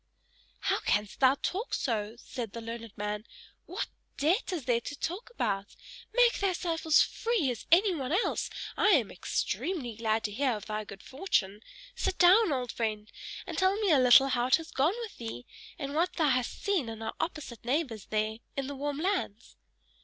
"How canst thou talk so?" said the learned man. "What debt is there to talk about? Make thyself as free as anyone else. I am extremely glad to hear of thy good fortune: sit down, old friend, and tell me a little how it has gone with thee, and what thou hast seen at our opposite neighbor's there in the warm lands."